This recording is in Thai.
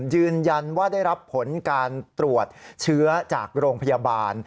ยืนยันว่าได้รับผลการตรวจเชื้อจากโรงพยาบาล